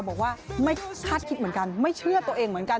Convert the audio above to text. บอกว่าไม่คาดคิดเหมือนกันไม่เชื่อตัวเองเหมือนกัน